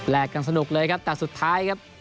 กันสนุกเลยครับแต่สุดท้ายครับ